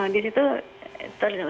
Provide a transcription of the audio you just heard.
di situ terlihat